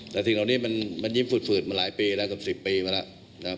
แต่สิ่งเหล่านี้มันยิ้มฝืดมาหลายปีแล้วกับ๑๐ปีมาแล้วนะครับ